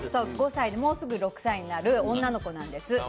５歳でもうすぐ６歳になる女の子なんです。